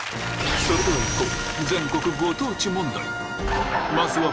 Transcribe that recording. それではいこう！